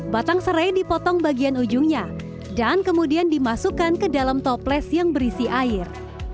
batang serai dipotong bagian ujungnya dan kemudian dimasukkan ke dalam toples yang berisi air